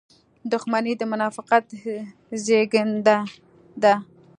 • دښمني د منافقت زېږنده ده.